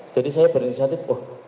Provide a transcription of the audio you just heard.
jadi saya berinisiatif